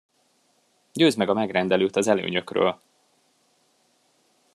Győzd meg a megrendelőt az előnyökről!